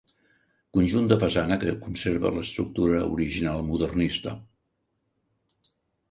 Conjunt de façana que conserva l'estructura original modernista.